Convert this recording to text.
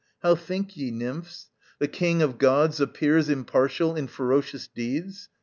How think ye, nymphs? the king of gods appears Impartial in ferocious deeds?